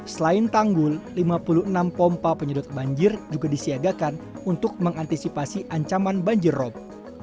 selain tanggul lima puluh enam pompa penyedot banjir juga disiagakan untuk mengantisipasi ancaman banjir rob